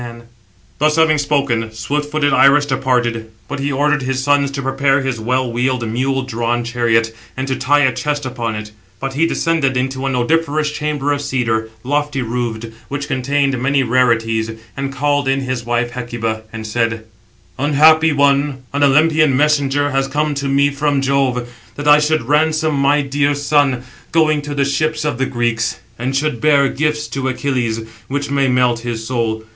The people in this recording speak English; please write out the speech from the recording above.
445 Thus having spoken, swift footed Iris departed. But he ordered his sons to prepare his well wheeled mule drawn chariot, and to tie a chest upon it; but he descended into an odoriferous chamber of cedar, lofty roofed, which contained many rarities, and called in his wife Hecuba, and said: "Unhappy one, an Olympian messenger has come to me from Jove, [that I should] ransom my dear son, going to the ships of the Greeks, and should bear gifts to Achilles, which may melt his soul.